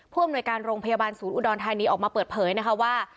อำนวยการโรงพยาบาลศูนย์อุดรธานีออกมาเปิดเผยนะคะว่า